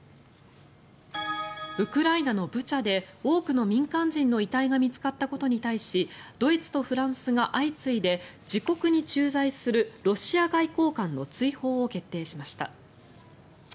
ウクライナのブチャで多くの民間人の遺体が見つかったことに対しドイツとフランスが相次いで自国に駐在するロシア外交官の追放を決定しました。